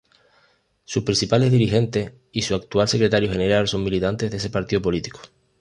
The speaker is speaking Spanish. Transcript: Sus principales dirigentes y su actual secretario general son militantes de ese partido político.